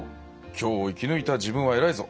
今日を生き抜いた自分は偉いぞ。